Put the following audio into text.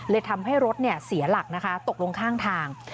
ทำให้รถเสียหลักนะคะตกลงข้างทาง